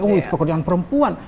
oh itu pekerjaan perempuan